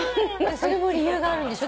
それも理由があるんでしょ？